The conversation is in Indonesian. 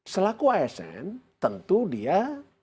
selaku asn tentu dia